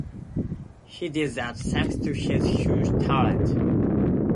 He did that thanks to his huge talent.